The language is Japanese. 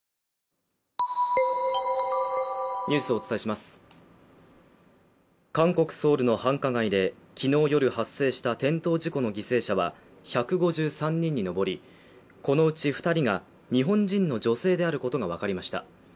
でーす韓国ソウルの繁華街で昨日夜発生した転倒事故の犠牲者は１５３人に上りこのうち二人が日本人の女性であることが分かりました